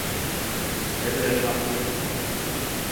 Тәҙрә шаҡый.